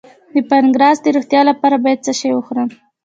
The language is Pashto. د پانکراس د روغتیا لپاره باید څه شی وخورم؟